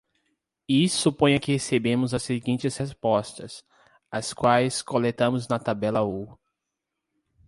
E suponha que recebamos as seguintes respostas, as quais coletamos na tabela u.